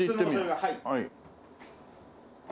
はい。